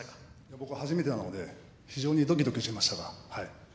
僕は初めてなので非常にドキドキしていました。